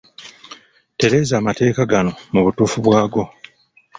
Tereeza amateeka gano mu butuufu bwago.